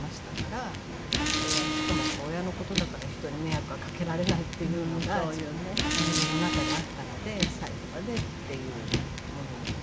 しかもやっぱり親の事だから人に迷惑はかけられないっていうのが自分の中であったので最後までっていうものもすごい強くあったものですから。